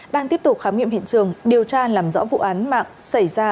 đang tiếp tục khám nghiệm hiện trường điều tra làm rõ vụ án mạng xảy ra